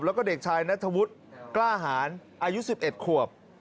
แล้วก็เด็กชายนัทวุฒิกล้าหารอายุ๑๑ขวบ